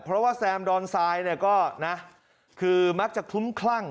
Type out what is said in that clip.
เพราะว่าแซมดอนทรายเนี่ยก็นะคือมักจะคลุ้มคลั่ง